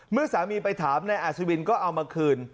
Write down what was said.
เมื่อสามีไปถามนายอาศวินก็เอามาคืน